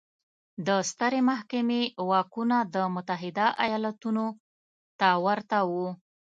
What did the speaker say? د سترې محکمې واکونه د متحده ایالتونو ته ورته وو.